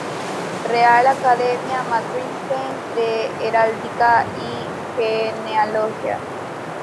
Real Academia Matritense de Heráldica y Genealogía.